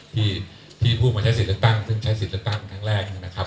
ที่ผู้มาใช้ศิลป์เลือกตั้งคือใช้ศิลป์เลือกตั้งทั้งแรกนะครับ